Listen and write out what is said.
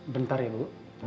bentar ya bu